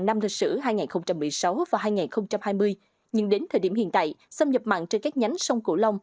năm lịch sử hai nghìn một mươi sáu và hai nghìn hai mươi nhưng đến thời điểm hiện tại xâm nhập mặn trên các nhánh sông cửu long